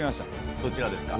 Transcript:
どちらですか？